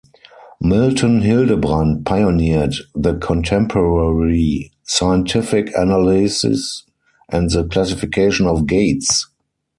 Milton Hildebrand pioneered the contemporary scientific analysis and the classification of gaits.